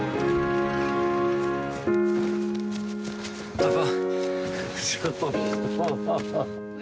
パパ。